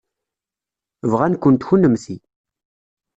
Bɣan-kent kennemti.